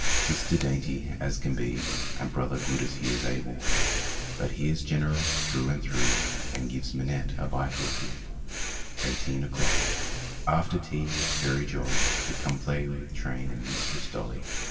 Sister dainty as can be, And Brother good as he is able. But he is generous through and through, And gives Minette a bite or two. 45 SEVENTEEN O'CLOCK 47 EIGHTEEN O'CLOCK 4ETER tea it's very jolly lTL To play with train and Mistress Dolly.